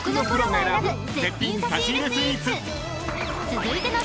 ［続いての］